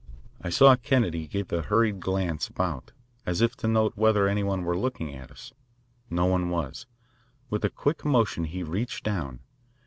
I saw Kennedy give a hurried glance about, as if to note whether any one were looking at us. No one was. With a quick motion he reached down.